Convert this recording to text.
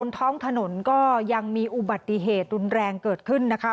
ท้องถนนก็ยังมีอุบัติเหตุรุนแรงเกิดขึ้นนะคะ